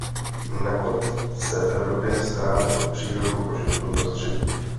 Nakonec se v Evropě staráme o přírodu a životní prostředí.